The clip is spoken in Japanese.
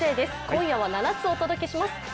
今夜は７つお届けします。